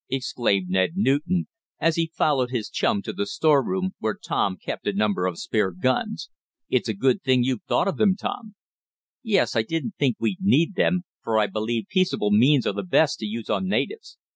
exclaimed Ned Newton, as he followed his chum to the storeroom, where Tom kept a number of spare guns. "It's a good thing you thought of them, Tom." "Yes, I didn't think we'd need them, for I believe peaceable means are the best to use on natives.